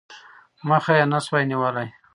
مخه یې نه سوای نیولای.